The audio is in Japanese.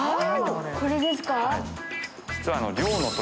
これですか。